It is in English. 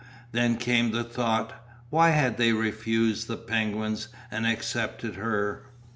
Then came the thought: why had they refused the penguins and accepted her?